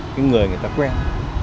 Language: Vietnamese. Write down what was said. những người người ta quen